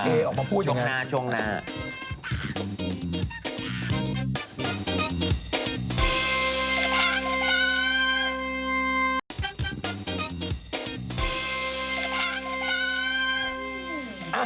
เอ๊อามาพูดอย่างงี้ชุ่มหน้า